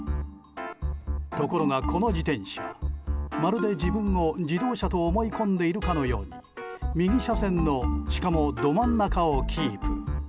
ところがこの自転車まるで自分を、自動車と思い込んでいるかのように右車線のしかも、ど真ん中をキープ。